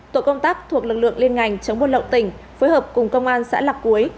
tội công tác thuộc lực lượng liên ngành chống buôn lậu tỉnh phối hợp cùng công an xã lạc cuối